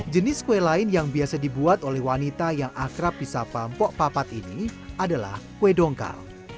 jenis kue lain yang biasa dibuat oleh wanita yang akrab di sapa mpok papat ini adalah kue dongkal